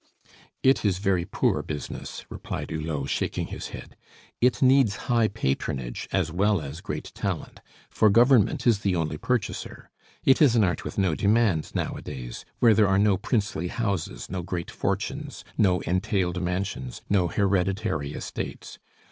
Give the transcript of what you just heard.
"It is very poor business," replied Hulot, shaking his head. "It needs high patronage as well as great talent, for Government is the only purchaser. It is an art with no demand nowadays, where there are no princely houses, no great fortunes, no entailed mansions, no hereditary estates.